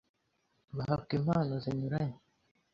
bahabwa impano zinyuranye